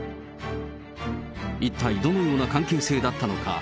一体どのような関係性だったのか。